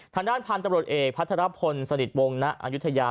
ทางด้านพันธุ์ตำรวจเอกพัทรพลสนิทวงณอายุทยา